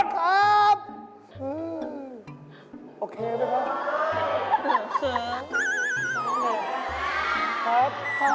ภาพแล้วประจำ